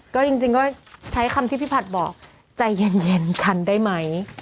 ก็จริงก็ใช้คำที่พี่ผัดบอกใจเย็นคันได้ไหม